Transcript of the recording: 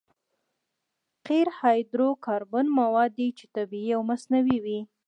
قیر هایدرو کاربن مواد دي چې طبیعي او مصنوعي وي